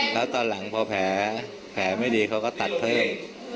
แล้วตอนหลังพอแผลแผลไม่ดีเขาก็ตัดเพิ่ม